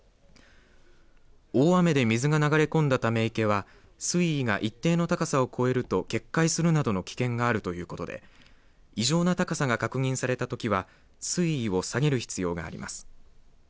大雨で水が流れ込んだため池は水位が一定の高さを超えると決壊するなどの危険があるということで異常な高さが確認されたときは水位を下げる必要があります。